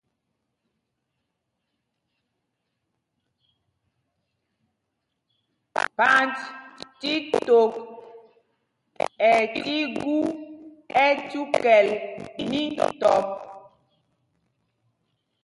Panjtítok ɛ tí gú ɛcúkɛl mítɔp.